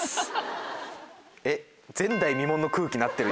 えっ。